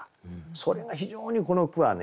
それが非常にこの句はね